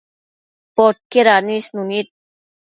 Podquied anisnu nid